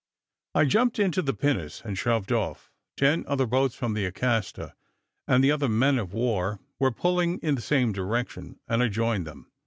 I jumped into the pinnace, and shoved off; ten other boats from the Acasta and the other men of war were pulling in the same direction, and I joined them.